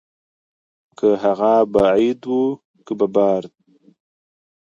که هغه به عيد وو که ببرات.